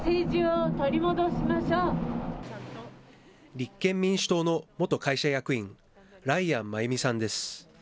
立憲民主党の元会社役員、ライアン真由美さんです。